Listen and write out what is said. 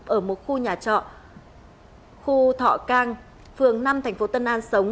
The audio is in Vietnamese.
ở một khu nhà trọ khu thọ cang phường năm thành phố tân an sống